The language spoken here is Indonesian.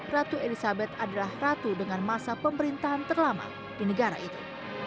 ratu elizabeth adalah ratu dengan masa pemerintahan terlama di negara itu